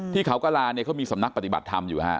ที่เขากระลาเนี่ยเขามีสำนักปฏิบัติธรรมอยู่ฮะ